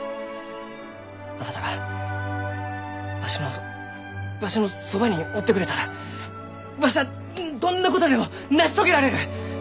あなたがわしのわしのそばにおってくれたらわしはどんなことでも成し遂げられる！